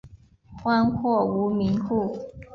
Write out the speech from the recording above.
荒或无民户。